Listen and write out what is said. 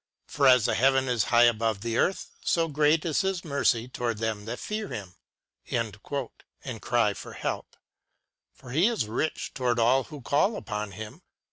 For as the heaven is high above the earth, so great is His mercy toward them that fear Him," and cry for help. For He is rich toward all who call upon Him.